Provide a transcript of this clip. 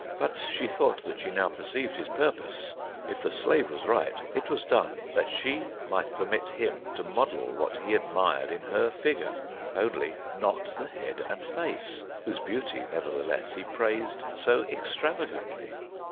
But she thought that she now perceived his purpose. If the slave was right, it was done that she might permit him to model what he admired in her figure, only not the head and face, whose beauty, nevertheless, he praised so extravagantly.